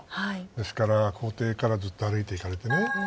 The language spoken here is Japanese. ですから公邸からずっと歩いて行かれて。